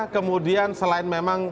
kemudian selain memang